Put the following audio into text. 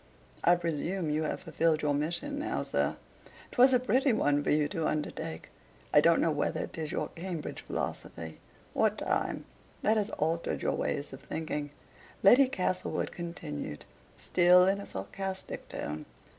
"I presume you have fulfilled your mission now, sir. 'Twas a pretty one for you to undertake. I don't know whether 'tis your Cambridge philosophy, or time, that has altered your ways of thinking," Lady Castlewood continued, still in a sarcastic tone.